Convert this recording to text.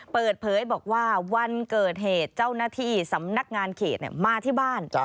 เปิดเผยบอกว่าวันเกิดเหตุเจ้าหน้าที่สำนักงานเขตมาที่บ้าน